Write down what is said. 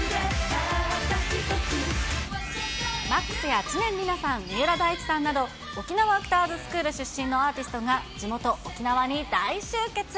ＭＡＸや知念里奈さん、三浦大知さんなど、沖縄アクターズスクール出身のアーティストが、地元、沖縄に大集結。